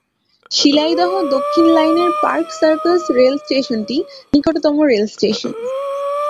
শিয়ালদহ দক্ষিণ লাইনের Park Circus রেলস্টেশনটি নিকটতম রেলস্টেশন।